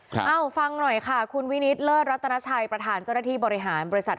เอ้าฟังหน่อยค่ะคุณวินิตเลิศรัตนาชัยประธานเจ้าหน้าที่บริหารบริษัท